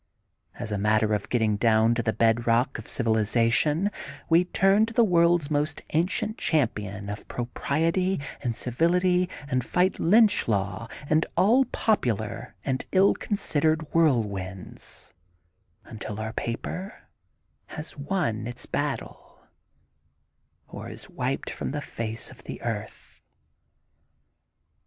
As a matter of getting down to the bed rock of civilization we turn to the world's most ancient champion of propriety and civil ity and fight lynch law land all popular and ill considered whirlwinds, until our paper has won its battle, or is wiped from the face of the earth.'